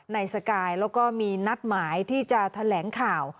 สกายแล้วก็มีนัดหมายที่จะแถลงข่าว